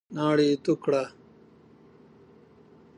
ناړي تو کړه !